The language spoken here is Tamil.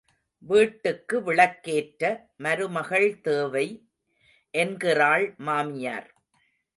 வீட்டுக்கு விளக்கேற்ற மருமகள் தேவை என்கிறாள் மாமியார்.